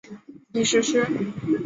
已实施。